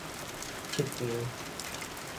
七張